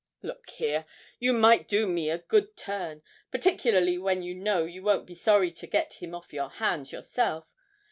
Look here! you might do me a good turn, particularly when you know you won't be sorry to get him off your hands yourself.